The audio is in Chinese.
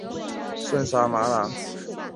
耶尔朱哲和迈尔朱哲出世。